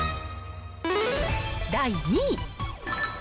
第２位。